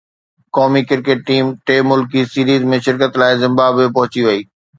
قومي cricket team ٽه ملڪي سيريز ۾ شرڪت لاءِ زمبابوي پهچي وئي